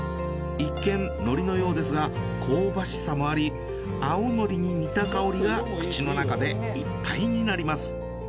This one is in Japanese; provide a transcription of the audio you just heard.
一見海苔のようですが香ばしさもあり青海苔に似た香りが口の中でいっぱいになります。